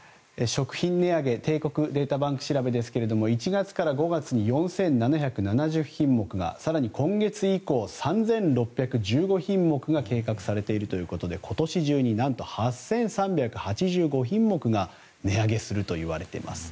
食品値上げ帝国データバンク調べですけれども１月から５月に４７７０品目が更に今月以降、３６１５品目が計画されているということで今年中に何と８３８５品目が値上げするといわれています。